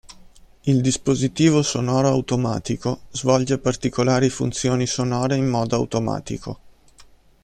Il dispositivo sonoro automatico svolge particolari funzioni sonore in modo automatico.